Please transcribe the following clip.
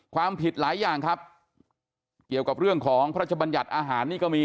ความผิดหลายอย่างครับเกี่ยวกับเรื่องของพระราชบัญญัติอาหารนี่ก็มี